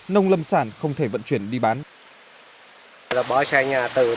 nông lâm sản không thể vận chuyển đi bán